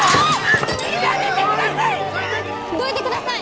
どいてください！